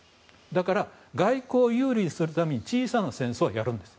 だから、外交を有利にするために小さな戦争はやるんです。